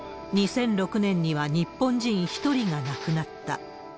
２００６年には、日本人１人が亡くなった。